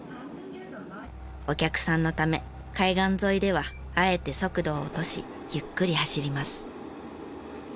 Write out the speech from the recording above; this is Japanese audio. お客さんのため海岸沿いではあえて速度を落としゆっくり走ります。